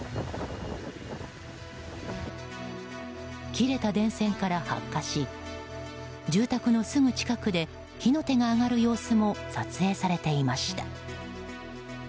切れた電線から発火し住宅のすぐ近くで火の手が上がる様子も撮影されていました。